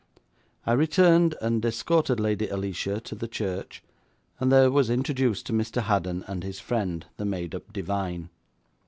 I returned and escorted Lady Alicia to the church, and there was introduced to Mr. Haddon and his friend, the made up divine.